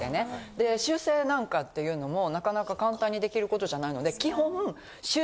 で修正なんかっていうのも中々簡単に出来ることじゃないので。